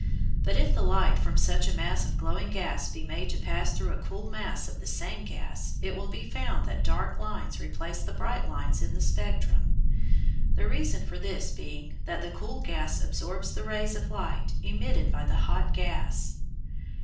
But if the light from such a mass of glowing gas be made to pass through a cool mass of the same gas it will be found that dark lines replace the bright lines in the spectrum, the reason for this being that the cool gas absorbs the rays of light emitted by the hot gas.